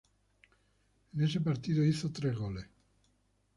En ese partido hizo tres goles.